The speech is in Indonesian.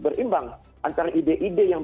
berimbang antara ide ide yang